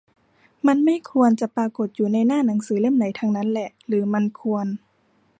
มันไม่ควรจะปรากฎอยู่ในหน้าหนังสือเล่มไหนทั้งนั้นแหละ หรือมันควร